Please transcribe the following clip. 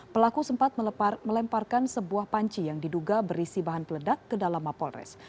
pelaku sempat melemparkan sebuah panci yang diduga berisi bahan peledak ke dalam mapolres